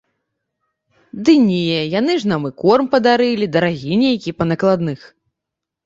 Ды не, яны ж нам і корм падарылі, дарагі нейкі, па накладных.